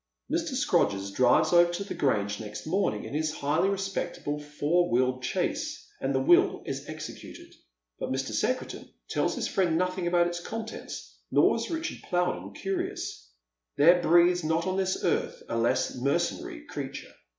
Mr. Scrodgers drives over to the Grange next morning in his highly respectable four wheeled chaise, and the will is executed, but Mr. Secretan tells his fiiend nothing about its contents, nor is Richard Plowden curious. There breathes not on this earth a less mercenary creature.